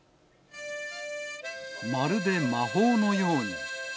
まるで魔法のように。